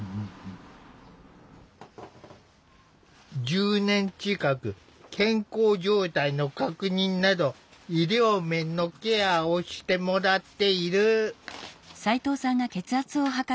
１０年近く健康状態の確認など医療面のケアをしてもらっている。